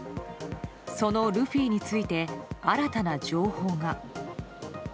そのルフィについて新たな情報が。